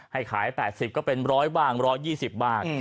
ให้ขาย๘๐ก็เป็น๑๐๐บ้าง๑๒๐บ้าง